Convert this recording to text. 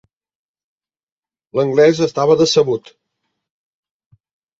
L'Anglès estava decebut.